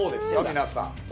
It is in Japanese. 皆さん。